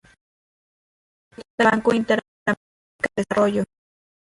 Fue consultor del Banco Interamericano de Desarrollo.